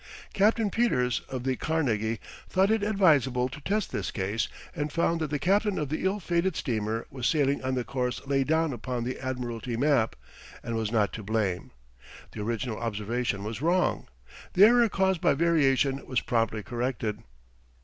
Captain Peters, of the "Carnegie," thought it advisable to test this case and found that the captain of the ill fated steamer was sailing on the course laid down upon the admiralty map, and was not to blame. The original observation was wrong. The error caused by variation was promptly corrected.